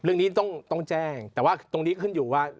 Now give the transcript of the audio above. เรื่องนี้ต้องแจ้งแต่ว่าตรงนี้ขึ้นอยู่ว่า